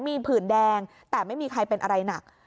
มีผื่นแดงแต่ไม่มีใครเป็นอะไรหนัก